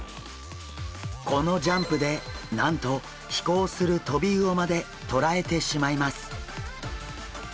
このジャンプでなんと飛行するトビウオまでとらえてしまいます。